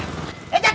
tuh keren banget